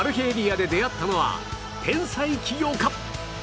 エリアで出会ったのは天才起業家！